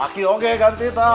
aki dia busi ya